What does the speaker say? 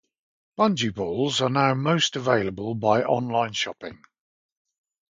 Bungee Balls are now most available by online shopping.